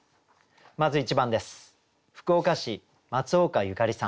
まず１番です。